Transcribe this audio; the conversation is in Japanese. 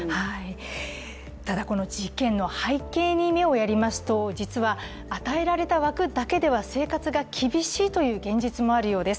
ただ、この事件の背景に目をやりますと実は与えられた枠だけでは生活が厳しいという現実もあるようです。